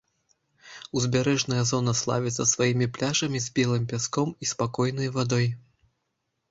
Узбярэжная зона славіцца сваімі пляжамі з белым пяском і спакойнай вадой.